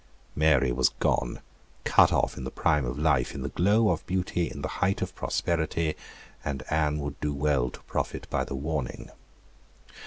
Mary was gone, cut off in the prime of life, in the glow of beauty, in the height of prosperity; and Anne would do well to profit by the warning.